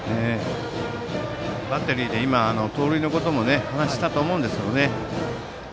バッテリーで盗塁のことも今話したと思うんですよね。